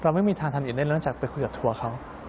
เราไม่มีทางทำอีกในเรื่องจากไปคุยกับทัวร์เขา